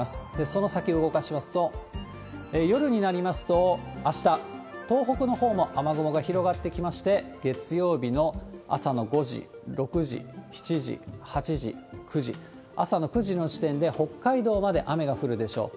その先、動かしますと、夜になりますと、あした、東北のほうも雨雲が広がってきまして、月曜日の朝の５時、６時、７時、８時、９時、朝の９時の時点で北海道まで雨が降るでしょう。